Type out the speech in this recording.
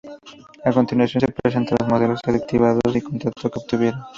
A continuación, se presentan los modelos seleccionados y el contrato que obtuvieron.